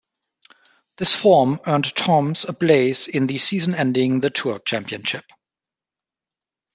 This form earned Toms a place in the season-ending The Tour Championship.